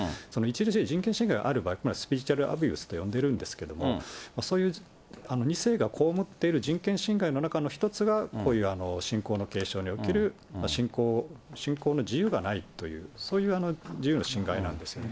著しい人権侵害がある場合、スピリチュアルアビューズと呼んでるんですけれども、そういう２世が被っている人権侵害の一つがこういう信仰の継承における、信仰の自由がないという、そういう自由の侵害なんですよ。